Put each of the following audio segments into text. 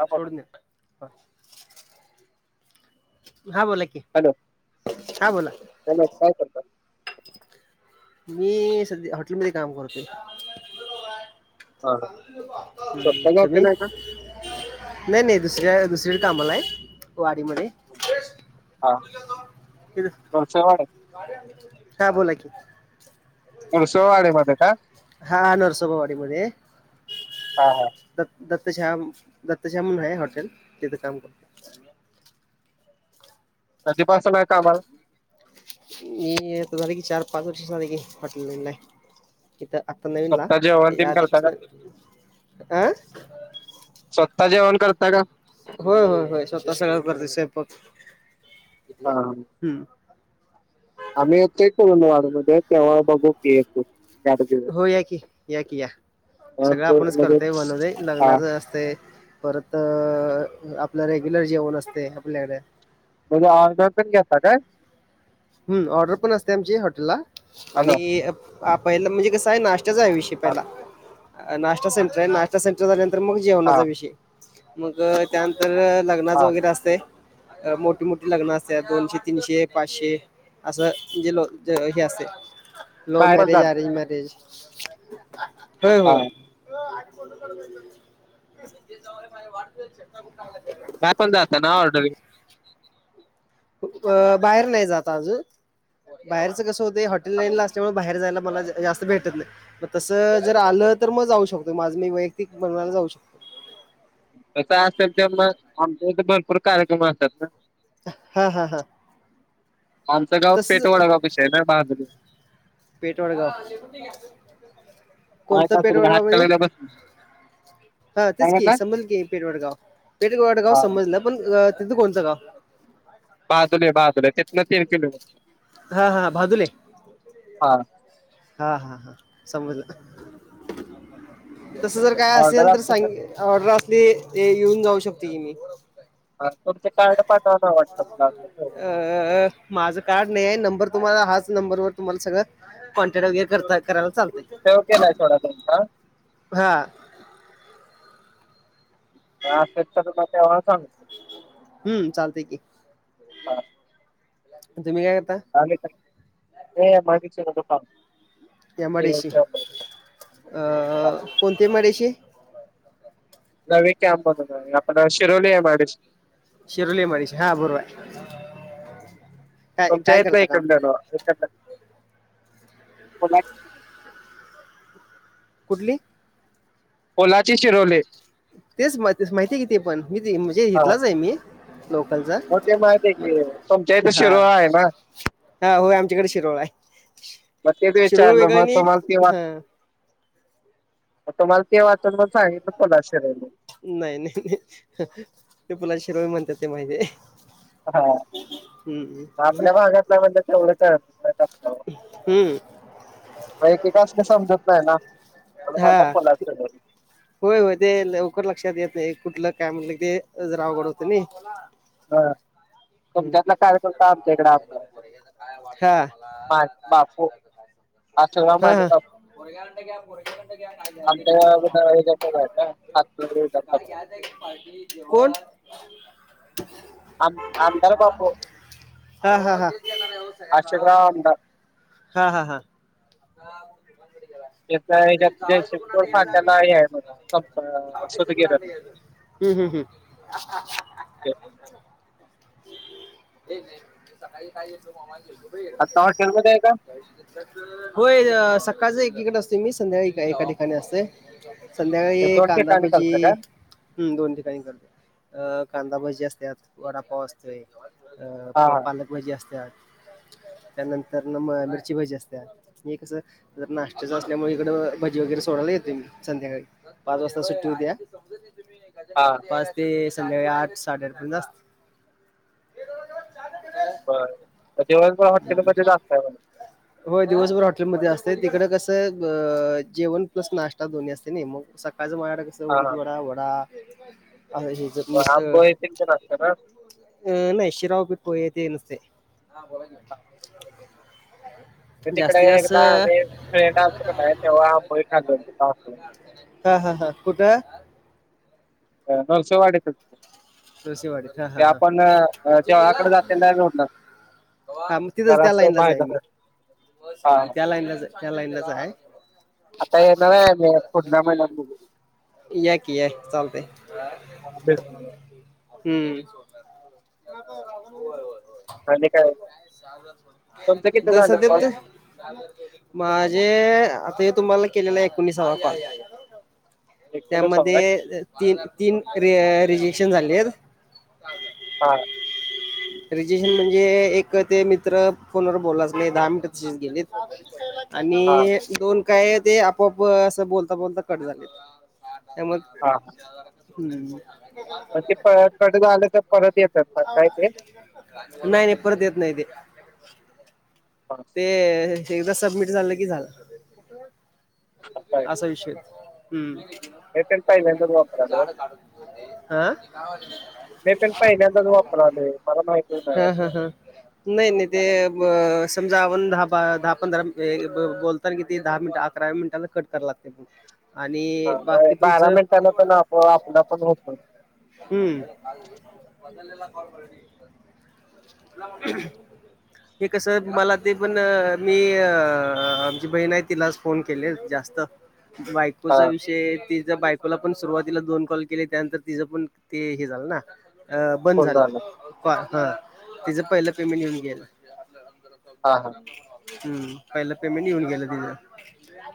Hello सोडून द्या.. हा.. बोला कि. हॅलो, हॅलो काय करता.... मी सध्या हॉटेलमध्ये काम करतोय. हा हम्म.. स्वतः जॉब तुम्ही? केलाय का नाई नाई दुसरी दुसरि कडं कामाला आहे. हा नरसवाडे [unintelligible] हा बोला की म सोवाडी मध्ये का हा नरसोबावाडी मध्ये. हा हा. दत् दत्तशाहा दत्तशाह म्हणून आहे, हॉटेल तिथं काम कर बाकी काय चालु आहे कामाला. मी आता झाले की, चार पाच वर्ष झाले की हॉटेल लाईनला हाय. इथं आता नवीन ला, स्वतः जेवण तेच्या तेन करता आधीपासन का अं. स्वतः जेवण करता का. होय होय होय, स्वतः सगळं करतोस स्वयंपाक हा हा हम आम्ही येतोय कुरूंदवाड मध्ये, तेव्हा बघू की येतो. गाडी घेऊन हो या की, या की या सगळं आमचं आपणच म्हणजे करतोय. बनवतोय हा लग्नाचं अस ते परत, आपलं रेग्युलर जेवण असते आपल्याकडे. तुम्ही ऑर्डर पण घेता काय. हम्म ऑर्डर पण असते आमची हॉटेलला. हॅलो आणि, हा पहिला म्हणजे कसं हाय, नाश्त्याचा आहे विषय हा पहिला. नाश्ता सेंटर आहे नाश सेंटर झाल्यानंतर मग हा जेवणाचा विषय, मग त्यानंतर लग्नाचा हा वगैरे असते. मोठी मोठी लग्न असते दोनशे तीनशे पाचशे असं जे ल हे असते, लव्ह बाहेर पण मॅरेज जातो अरेंज मॅरेज. होय हा होय. [unintelligible] हां पण जात‌ ना ऑर्डरी. बाहेर नाही जात अजून, बाहेरचं कसं होतंय हॉटेल हा लाईन ला असल्यामुळं. बाहेर जायला मला जास्त भेटत नाही, तसं जर आलं हा तर मग जाऊ शकतो. माझं मी व्ययक्तिक [unintelligible] जाऊ शकतो. तसं असेल ते मग आमच्या इथे, भरपूर कार्यक्रम असत्यात ना. हां हां हां आमचं गाव तसंच पेटवडगाव पशी आहे ना बांदणी. पेठवडगाव कोणत माहित असेल हात पेठवडगाव कलरला बस [unintelligible] हा काय तेच की म्हटलं समजल की, पेटवाडगाव पेठवाडगाव हा समजलं. पण तिथं कोणचं गाव. बाहादुले बाहादुले तितंन, तीन किलो मीटर. हा हा भादुले. हा. हा हा हा, समजलं तसं जर काय ऑर्डर असेल तर असले सांग ऑर्डर असली ते येऊन जाऊ शकतोय की मी. हा तुमचं कार्ड पाठवा ना व्हॉट्सअपला. [unintelligible] अ माझं कार्ड नयी, नंबर तुम्हांला हाच नंबरवर तुम्हाला सगळं. कॉन्टॅक्ट वगैरे, कर करायला चालतंय. सेवा केलाय सोडा तुमचा. हा. कवा असेल तेव्हा सांग हम्म चालतेय की, हा तुम्ही काय करताय. [unintelligible] एम आय डी सी शी सांगतो अं... कोणती एम आय डी सी शी. [unintelligible] आपलं Shiroli M I D C. Shiroli M I D C D हा, बरोबर हा. य तुमच्या इथल [unintelligible] कुठली? ओलाचे शिरोवले तेच माहिती आहे की ते पण मी म्हणजे हा इथलाच आहे मी लोकलचा. मग ते माहित आहे की, तुमच्या इथं शिरोळ आहे ना? हां होय आमच्याकडे शिरोळ आहे. मग तेच शिरोळ विचारलो वेगळं मग आणि तुम्हाला ते वाट हा मग तुम्हाला ते वाचन पण सांगीत नाही नाही नाही ते पुुलाला शिरोळ म्हणतात ते माहिती आहे. हा हम्म. पुलाला म्हणतात तेवढं [unintelligible] हम्म. मग एकेकासनी समजत नाही ना म्हणून म्हणलं हा पुलावर च घर. होय होय ते लवकर लक्षात येत नाही कुठलं काय म्हणलं ते जरा अवघड होतंय नाही. हां हम्म. तुमच्यातला कार्यकर्ता आमच्या इकड आलता. हा हां बापू अशोकराव माने बापू. पोरग्या कढणं घ्या, पोरग्या कढणं घ्या, काय घ्यायच आमच्या ते तुम्हाला, ह्याच्याकडे आहेत ना हातकणंगले काय विधानसभा. घ्यायचं कोण? [unintelligible] हां हां हां. अशोकराव आमदार. हां हां हां. तिथ हेच्यात जयसिंगपूर फाट्याला हे आहे बघा सूतगिरण. हम्म हम्म हम्म. ते हे नाही नाही सकाळी काय घेतलो मोबाईल घेतो आता हॉटेल मध्ये आहे काय? होय सकाळच एकीकडे असतोय मी, संध्याकाळी एका ठिकाणी असतोय. हे संध्याकाळी दोन ठिकाणी करता कांदाभजी का? हम्म दोन ठिकाणी करतोय अ कांदाभजी असत्यात, वडापाव असत तोय अ हा प हा पालकभजी असत्यात. त्यानंतरन मग मिरचीभजी असत्यात. मी हे कसं जरा नाश्त्याचं असल्यामुळे इकडं भजी वगैरे सोडायला येतोय मी संध्याकाळी. पाच वाजता सुट्टी होत्या हा पाच ते संध्याकाळी आठ-साडेआठ पर्यंत असतोय. [unintelligible] चहा दे की रे. मग दिवसभर हॉटेलमधेच असताय म्हण. होय दिवसभर हॉटेलमध्ये असतोय, तिकडं कसं अ जेवण प्लस नाष्टा दोन्ही असतंय नाही मग सकाळचं माझ्याकडं कसं हा हा उडीदवडा, वडा हेच [unintelligible] अ नाही शिरा, उपीट, पोहे ते नसतंय. [inaudible] म तिकडे जास्तीत जास्त एकदा आम्ही फ्रेंड आलतो की नाही तेव्हा आंबोळी खाल्लेली [unintelligible] हां हां हां कुठं? नृसिंहवाडीतच की. नृसिंहवाडीत हां. ते आपण देवळाकडे जातेल्या रोडला हां मग तिथंच त्या जरासं लाईनलाच आहे बाहेर मी, हा हम्म हा. त्या लाईनलाच त्या लाईनलाच आहे. आता येणार आहे मी पुढल्या महिण्यात बघू. या की याकी चालतय. [unintelligible] हम्म. [unintelligible] आणि काय तुमचं किती झालं कॉल? माझे आता हे तुम्हाला केलेला एकोणिसावा कॉल. एकट्याला सवय त्यामध्ये तीन-तीन र- रिजेशन झालेत. हां. रेजशन म्हणजे एक ते मित्र फोनवर बोललाच नाही दहा मिनिटं तशीच गेलेत. हा आणि दोन काय ते आपोआप असं बोलता बोलता कट झालेत त्या म हा ‌. हम्म. ते कट झाल परत येत्यात काय ते. नाही नाही परत येत नाही ते. हां. ते एकदा सबमिट झालं की झालं असं आहे. असा विषय तो. हम्म. [unintelligible] पहिल्यांदाच वापरायलो. हा, मी पण पहिल्यांदाच वापरालोय मला माहितच नाही. हं हं हं हं. नाही नाही ते समजा आपण दहा दहा पंधरा बोलतात की ते दहा मिनटं अकरा मिनटाला करा लागतो. ह काय, बारा मिनटांना पण आप आपलं पण होतो. हम्म. हे कस मला ते पण मी आमची बहीण आहे तिलाच फोन केले जास्त. बायक बायकोचा हा विषय तिच्या बायकोला पण सुरुवातीला दोन कॉल केले त्यानंतर तिचं पण ते हे झालं ना. अ बंद झाला हा तिचं पहिलं पेमेंट येऊन गेल. हा. हा हम्म, पहिलं पेमेंट येऊन गेलं तिचं.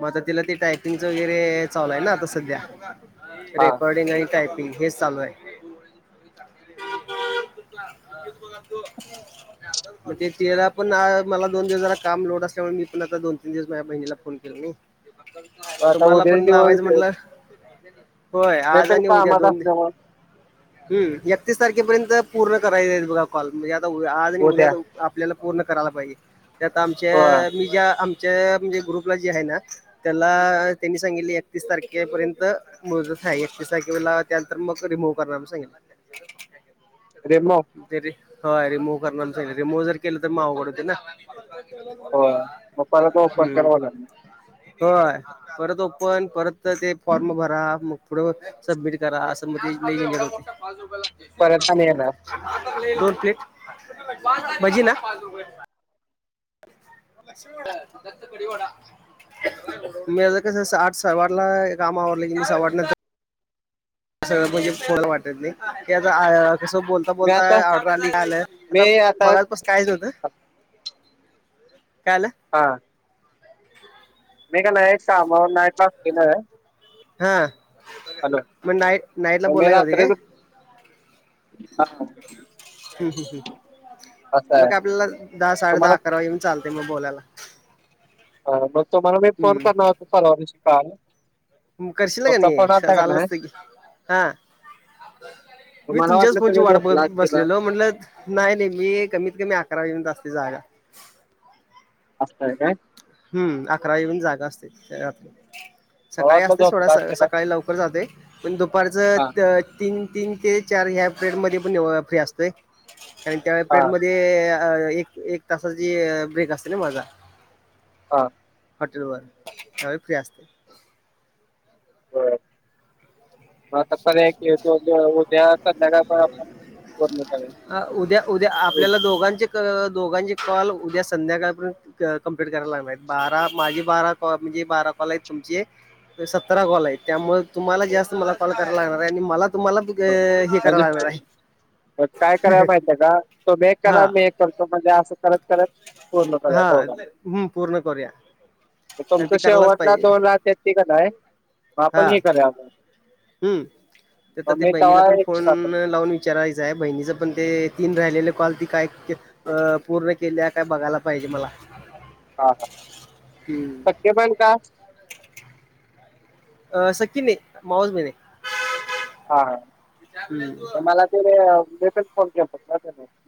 मग आता तिला ते टायपिंगचं वगैरे चालू हाय ना आता सध्या. हा रेकॉर्डिंग आणि टयपिंग हेच चालू आहे. मग ते तिला पण मला दोन दिवसाला काम लोट असल्यामुळे मी पण आता दोन तीन दिवस माझ बहिणीला फोन केला नाही. मग आता तुम्हाला उद्या पण दिवस लावायचं म्हटलं. होय मी आज पण आणि उद्या कामात दोन असल्यामुळे हम् एकतीस तारखेपर्यंत पूर्ण करायच बघा कॉल म्हणजे आताद्या आज आणि उद्या. आपल्याला पूर्ण करायला पाहिजे. त्या आत आमच्या होय मी ज्या आमच्या म्हणजे ग्रुपला जे आहे ना. त्याला त्यांनी सांगितली एकतीस तारखेपर्यंत [unintelligible] रिमूव करणार म्हणून सांगितलं. रेमो. तरी हय रिमूव करणार रिमूव जर केलं तर म अवघड होते ना. होय मग परत ओपन हम्म करावं लागणार होय ‌. परत ओपन परत ते फॉर्म भरा मग पुढं सबमिट करा असं मग ते लय झणझट परत होतय. आणि येणार [unintelligible] दोन प्लेट भजी ना. दत्त कडीवडा. माझं कस आठ सवा आठला काम आवरलं की मी सवा आटनंत् सगळं म्हणजे थोडं वाटत नी की आता आया कसं बोलत् मी बोलता आता ऑडर आली यालं आता मगा् बस कायच होतं कायलं? हां. मी का नाई [unintelligible] केलं. हा म नाईट् नाईट ला मग मी बोलाय रात्रीच [unintelligible] हा. ह् ह् ह असं म आहे काय आपल्याला दहा साडे दहा तुम्हाला अकरा येन् चालते म बोलाला. हा मग तुम्हाला मी फोन करणार हम्म होतो पर्वा दिवशी काल. करशीलं का तुमचा नी फोन आलता का चाललं नाही असतं की, हा. मग मी मला तुमच्याच वाटलं फोनची तुम्ही वाट झोपला बघत असशीला बसलेलो म्हणलंत् नाई नी मी कमीत कमी अकरा वाजेपर्यंत् असतोय जागा. असताय काय. हम्म अकरा वाजेपयंत् जागा असतोय [unintelligible] मला सकाळी वाटलं असते सोडा झोपला स असशीला सकाळी लवकर जातेय पण दुपारचं हा त तीन तीन ते चार ह्या प्रेड मधे पण व फ्री असतेय कारण त्या हा प्रेडमध्ये ते एक एक तासाची ब्रेक असते ना माझा. हां. हॉटेल वर त्यवेळी फ्री असतेय. म आता पर्याय [unintelligible] उद्या उद्या हो, आपल्याला त दोघांचे कॉल उद्या संध्याकाळपर्यंत् कंप्लीट कराय लागणारेत् बारा माझी बारा कॉ म्हणजे बारा कॉलायत तुमचे सतरा कॉलाय त्यामुळं तुम्हाला जास्त मला कॉल करा लागणाराय आणि मला तुम्हाला बी ग हो. हे करा म्हणजे लागणाराय. तुमी एक करा मी एक करतो म्हणजे असं करत करत पूर्ण करुया हा दोघं. हम्म, पूर्ण करूया आणि तुमचं ते करायलाच शेवटला पाहिजे दोन ला ते तिक नाय म आपण हे करूया म हम् त ते बहिणीला तेव्हा पण फोन एक्स्ट्रा करतो लावून चरायचंय बहिणीच पण ते तीन रायलेले कॉल ती काय अ पूर्ण केल्या का बघाला पायजे मला. हा हा, हम्म. सख्खी बहीण का? अ सक्की नी मावस बहीणे. हा. हम्. तर मी त्याल फोन केलता [unintelligible]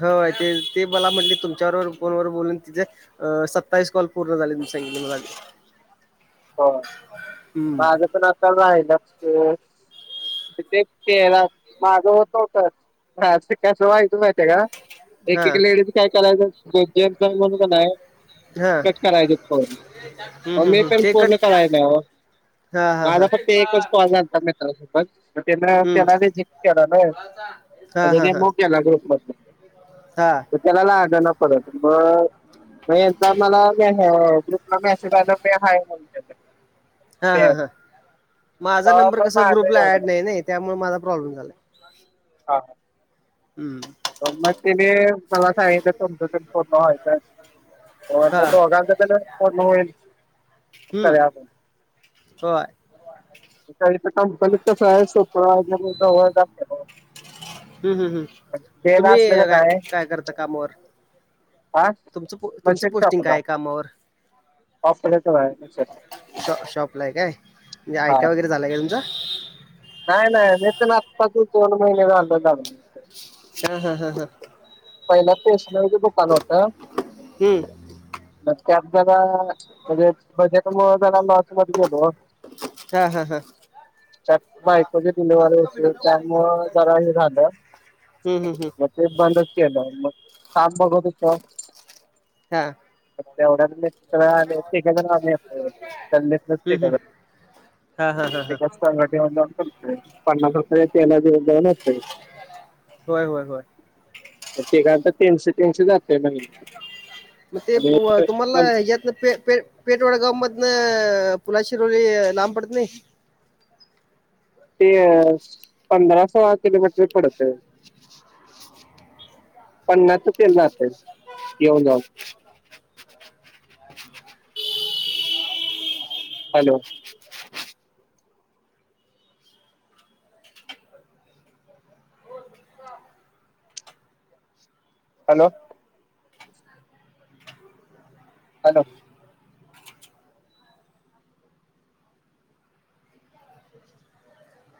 हो ते ते मला म्हणली तुमच्यावरवर फोनवर बोलून तिचं अ सत्तावीस कॉल पूर्ण झाले म्हण सांगीतलं मलाबी. ह. [inaudible] माझं पण आता रायलाच त्यो. ते तेलाच माझं होत नव्हतं हां ते कसं व्हायचं मायती का? एक हा एक लेडीज काय करायचं ग जेंडस म्हणूनण आहे. हा कट करायचे फो हम्म हम्म मी हम्म पण ते कट पूर्ण करायला. हा हा हा माझा फक्त एकच कॉल झालता मित्रांसोबत. त्या हम्म त्याना ते झक केला न म्ह हा ते हा हा लिहुव्ह कलेला ग्रुप ब. हा. [inaudible] तर त्याला लागणा पडत मगचा. ह जला म असवाद प हा. हा हा हा माझा तेव्हा नंबर मग कस माझं ग्रुपला एवढं ऍड झालं. नाही नाही त्यामुळे माझा प्रॉब्लेम झाला. हा. हम्म. प मग तिने मला सांगितलं तुमच्या पूर्ण व्हायचं. हो हा दोघाांच होईल. हम्म करूया म्हणून होय. आणि तर कामचात कसं आहे सोप्रा वगैर. हम्म हम् हम् डेला तुम्ही असलं का नाही काय करता कामावर. हा तुमच तुमचं मशीन पोस्टिंग शॉपला काय कामावर. ऑपरेटर आहे मशीन श शॉप ला आहे काय म्हणजे हा आयट्या वगैरे झालाय का तुमच. नाही नाही तर नात्ताच दोन महिने जा. हा हा हा हा. पहिल्या स्टेशनरीच दुकान होत. हम. नक्की आप जला म्हणजे बजेट मुळं जरा लॉस म गेलो. हा हा हा. बायक जी होते त्यामुळ जरा हे झालं. हम् हम् हम. मग ते केलं काम बघ होत का. हा तेवढ्या म. स हम्म नसते हम्म ते. हा हा हा हा सग ठवन कर पन्नास प्र तेला दिवन जा अस. होय हो हो. ते काता तीनशे तीनशे जातय महिन्या. मग ते तुम्हाला यातन. पेठवडा गाव मधन पुला शिरोवली लांब पडत नाही. ते अ पंधरा सोळा किलोमीटर पडत. पन्नाच तेनाच येऊन जाऊन. हॅलो. हॅलो. हॅलो